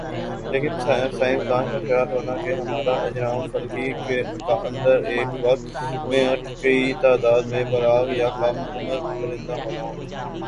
لیکن سائنسدان کا خیال ہونا کہ ہمارہ اجرام فلکی کا اندر ایک وقت میں اور کی تعداد میں بالغ یا کم عمر پرندہ ہونا ہونا